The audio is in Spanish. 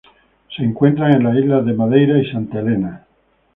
Se encuentran en las islas de Madeira y Santa Helena.